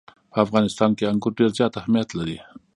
په افغانستان کې انګور ډېر زیات اهمیت لري.